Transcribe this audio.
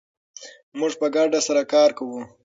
موږ په ګډه سره کار کوو.